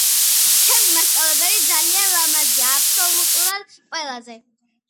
ჩემი მასწავლებელი ძალიან ლამაზია აბსოლუტურად ყველაზე